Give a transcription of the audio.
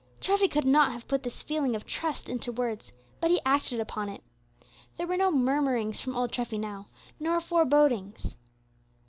Treffy could not have put this feeling of trust into words, but he acted upon it. There were no murmurings from old Treffy now, no forebodings.